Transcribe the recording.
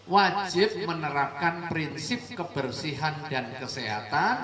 wajib menerapkan prinsip kebersihan dan kesehatan